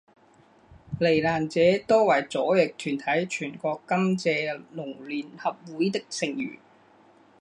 罹难者多为左翼团体全国甘蔗农联合会的成员。